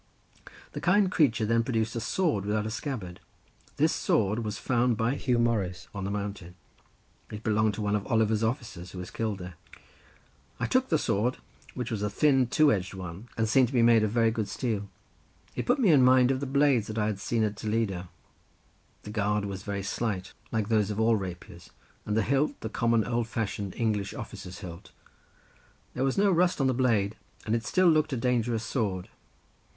The kind creature then produced a sword without a scabbard; this sword was found by Huw Morris on the mountain—it belonged to one of Oliver's officers who was killed there. I took the sword, which was a thin two edged one, and seemed to be made of very good steel. It put me in mind of the blades which I had seen at Toledo—the guard was very slight like those of all rapiers, and the hilt the common old fashioned English officer's hilt; there was no rust on the blade, and it still looked a dangerous sword.